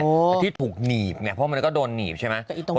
แต่ที่ถูกหนีบไงเพราะมันก็โดนหนีบใช่ไหม